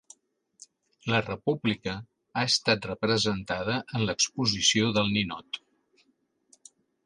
La República ha estat representada en l'Exposició del Ninot